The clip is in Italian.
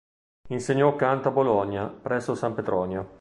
Insegnò canto a Bologna, presso San Petronio.